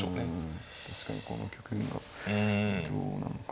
確かにこの局面はどうなのか。